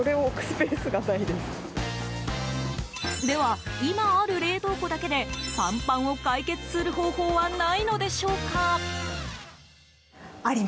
では、今ある冷凍庫だけでパンパンを解決する方法はないのでしょうか？